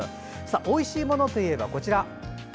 おいしいものといえばこちら。